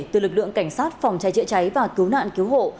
từ lực lượng cảnh sát phòng cháy chữa cháy và cứu nạn cứu hộ